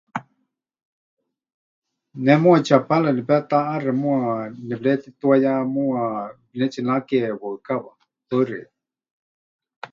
Ne muuwa Chapala nepetaʼaxe, muuwa nepɨretituayá, muuwa pɨnetsinake waɨkawa. Paɨ xeikɨ́a.